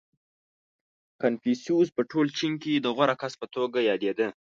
• کنفوسیوس په ټول چین کې د غوره کس په توګه یادېده.